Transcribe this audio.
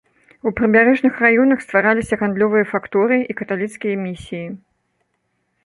У прыбярэжных раёнах ствараліся гандлёвыя факторыі і каталіцкія місіі.